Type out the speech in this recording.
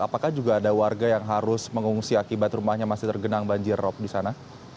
apakah juga ada warga yang harus mengungsi akibat rumahnya masih tergenang banjir rop di sana